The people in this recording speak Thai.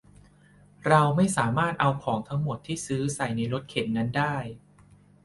เราไม่สามารถเอาของทั้งหมดที่ซื้อใส่ในรถเข็นนั้นได้